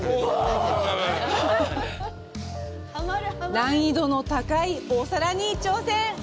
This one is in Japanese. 難易度の高いお皿に挑戦！